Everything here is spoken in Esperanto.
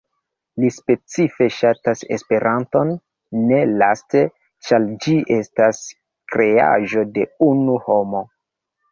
Li "specife ŝatas Esperanton", ne laste, ĉar ĝi estas kreaĵo de unu homo.